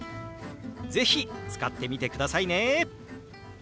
是非使ってみてくださいね！